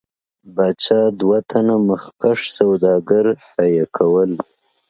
پاچا دوه تنه مخکښ سوداګر حیه کول.